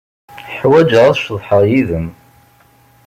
Ḥwajeɣ ad ceḍḥeɣ yid-m.